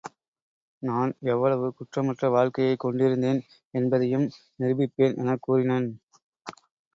நான் எவ்வளவு குற்றமற்ற வாழ்க்கையைக் கொண்டிருந்தேன் என்பதையும் நிரூபிப்பேன் எனக் கூறினன்.